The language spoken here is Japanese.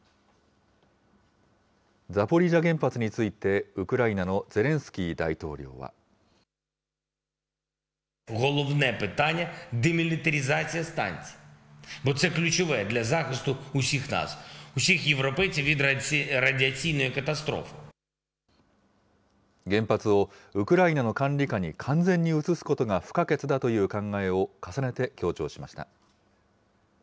ザポリージャ原発について、ウクライナのゼレンスキー大統領は。原発を、ウクライナの管理下に完全に移すことが不可欠だという考えを重ねて強調しました。